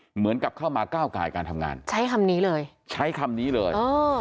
เหมือนกับเข้ามาก้าวกายการทำงานใช้คำนี้เลยใช้คำนี้เลย